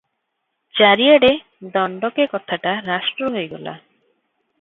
ଚାରିଆଡ଼େ ଦଣ୍ଡକେ କଥାଟା ରାଷ୍ଟ୍ର ହୋଇଗଲା ।